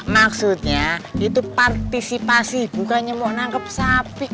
maksudnya itu partisipasi bukannya mau nangkep sapi